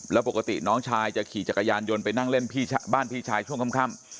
แล้วปกติน้องชายจะขี่จักรยานยนต์ไปนั่งเล่นบ้านพี่ชายช่วงค่ำ